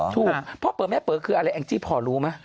ถูกพ่อเป๋อแม่เป๋อคืออะไรแองจี้พอรู้ไหม